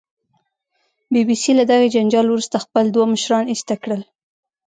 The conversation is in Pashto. بي بي سي له دغې جنجال وروسته خپل دوه مشران ایسته کړل